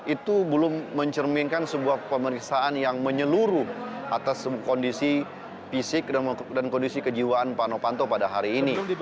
itu belum mencerminkan sebuah pemeriksaan yang menyeluruh atas kondisi fisik dan kondisi kejiwaan pak novanto pada hari ini